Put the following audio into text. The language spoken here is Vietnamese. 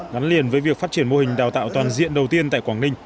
gắn liền với việc phát triển mô hình đào tạo toàn diện đầu tiên tại quảng ninh